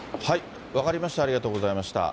分かりました、ありがとうございました。